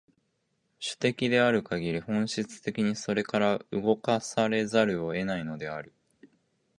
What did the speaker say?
種的であるかぎり、本質的にそれから動かされざるを得ないのである。